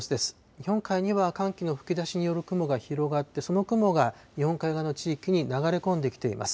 日本海には寒気の吹き出しによる雲が広がって、その雲が日本海側の地域に流れ込んできています。